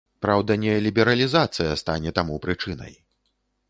Праўда, не лібералізацыя стане таму прычынай.